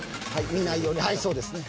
見ないようにはいそうですね。